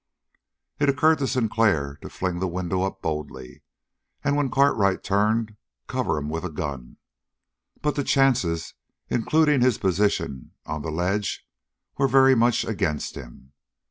It occurred to Sinclair to fling the window up boldly, and when Cartwright turned, cover him with a gun. But the chances, including his position on the ledge, were very much against him.